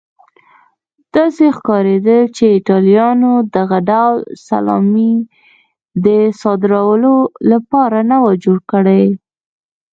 داسې ښکارېدل چې ایټالویانو دغه ډول سلامي د صادرولو لپاره نه وه جوړه کړې.